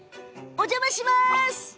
お邪魔します！